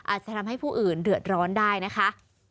อาจจะทำให้ผู้อื่นเดือดร้อนได้นะคะ